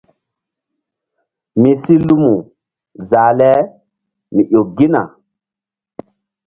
Mi si lumu zah le mi ƴo gina.